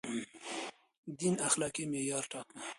دين اخلاقي معيار ټاکه.